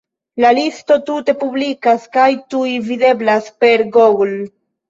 La listo tute publikas, kaj tuj videblas per Google.